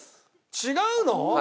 違うの？